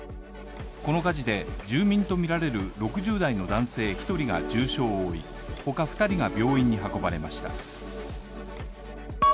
この火事で、住民とみられる６０代の男性１人が重傷を負い他２人が病院に運ばれました。